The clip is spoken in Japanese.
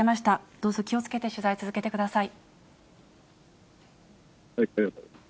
どうぞ気をつけて取材続けてください。